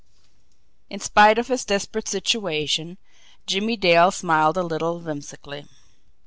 In spite of his desperate situation, Jimmie Dale smiled a little whimsically.